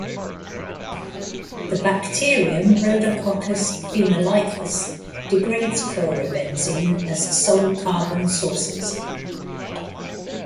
The bacterium "Rhodococcus phenolicus" degrades chlorobenzene as sole carbon sources.